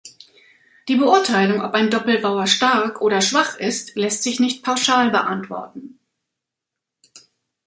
Die Beurteilung, ob ein Doppelbauer stark oder schwach ist, lässt sich nicht pauschal beantworten.